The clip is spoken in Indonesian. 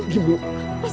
shhh diam dulu